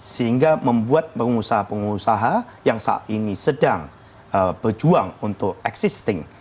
sehingga membuat pengusaha pengusaha yang saat ini sedang berjuang untuk existing